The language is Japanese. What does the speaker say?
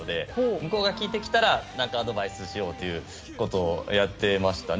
向こうが聞いてきたらアドバイスしようということをやっていましたね。